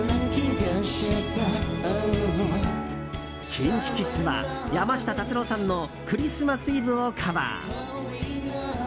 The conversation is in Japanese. ＫｉｎＫｉＫｉｄｓは山下達郎さんの「クリスマス・イブ」をカバー。